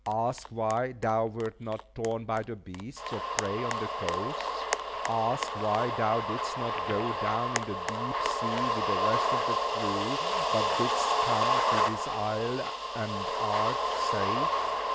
Ask why thou wert not torn by the beasts of prey on the coasts. Ask why thou didst not go down in the deep sea with the rest of the crew, but didst come to this isle, and art safe."